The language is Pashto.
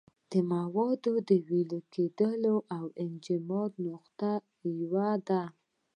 د موادو د ویلې کېدو او انجماد نقطه یوه ده.